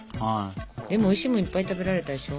でもおいしいものいっぱい食べられたでしょ。